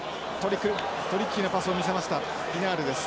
トリッキーなパスを見せましたピナールです。